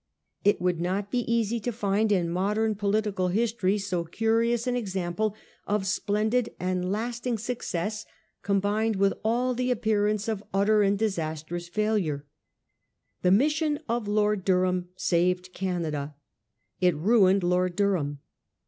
It would not be easy to find in modem political history so curious an example of splendid and lasting success combined with all the appearance of utter and disastrous failure. The mission of Lord Durham saved Canada. It ruined Lord Durham.